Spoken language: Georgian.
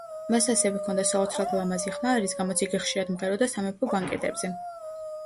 მას ასევე ჰქონდა საოცრად ლამაზი ხმა, რის გამოც იგი ხშირად მღეროდა სამეფო ბანკეტებზე.